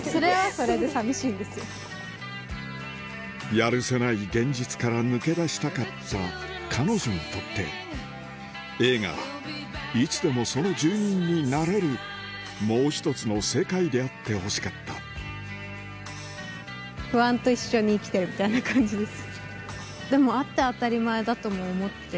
やるせない現実から抜け出したかった彼女にとって映画はいつでもその住人になれるもう一つの世界であってほしかったみたいな感じです。